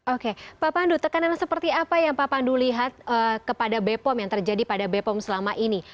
oke pak pandu tekanan seperti apa yang pak pandu lihat kepada bepom yang terjadi pada bepom selama ini